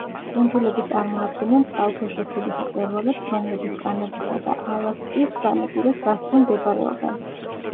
კუნძულები წარმოადგენენ წყალქვეშა ქედის მწვერვალებს, რომლების კანადისა და ალასკის სანაპიროს გასწვრივ მდებარეობენ.